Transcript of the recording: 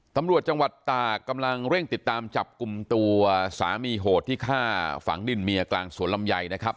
ตำรวจจังหวัดตากกำลังเร่งติดตามจับกลุ่มตัวสามีโหดที่ฆ่าฝังดินเมียกลางสวนลำไยนะครับ